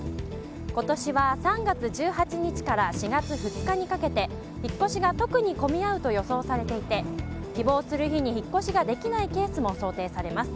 今年は３月１８日から４月２日にかけて引っ越しが特に混み合うと予想されていて希望する日に引っ越しができないケースも想定されます。